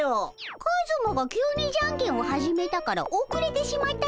カズマが急にじゃんけんを始めたからおくれてしまったのじゃ。